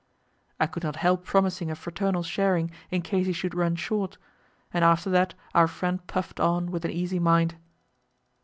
I could not help promising a fraternal sharing in case he should run short; and after that our friend puffed on with an easy mind.